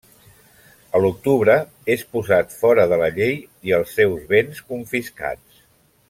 A l'octubre és posat fora de la llei i els seus béns confiscats.